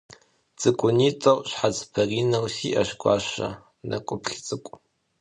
Цӏыкӏунитӏэу, щхьэц баринэу, сиӏэщ гуащэ нэкӏуплъ цӏыкӏу.